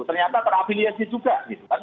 ternyata terafiliasi juga gitu kan